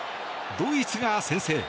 ドイツが先制。